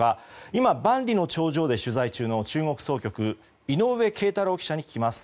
今、万里の長城で取材中の中国総局井上桂太朗記者に聞きます。